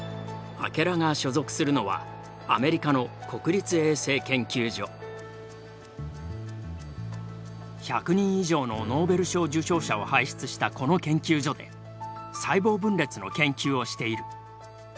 明楽が所属するのは１００人以上のノーベル賞受賞者を輩出したこの研究所で細胞分裂の研究をしている。